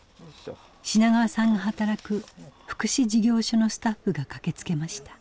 品川さんが働く福祉事業所のスタッフが駆けつけました。